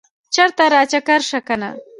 چرته راچکر شه کنه